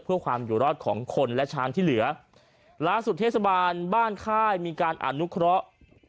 เพื่อความอยู่รอดของคนและช้างที่เหลือล่าสุดเทศบาลบ้านค่ายมีการอนุเคราะห์